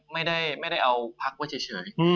ไม่ได้เอาพักไว้เฉย